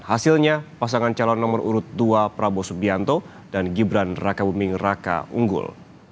hasilnya pasangan calon nomor urut dua prabowo subianto dan gibran raka buming raka unggul